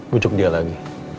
bujuk dia lagi